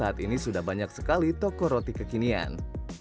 saat ini sudah banyak sekali toko roti kekinian